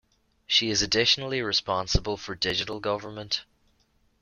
She is additionally responsible for Digital Government.